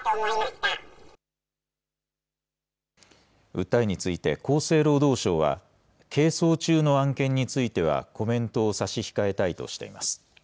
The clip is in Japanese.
訴えについて、厚生労働省は、係争中の案件についてはコメントを差し控えたいとしています。